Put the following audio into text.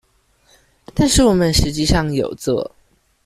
但是我們實際上有做